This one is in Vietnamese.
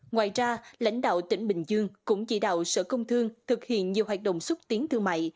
ngoài ra lãnh đạo tỉnh bình dương cũng chỉ đạo sở công thương thực hiện nhiều hoạt động xúc tiến thương mại